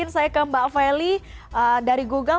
saya ke mbak feli dari google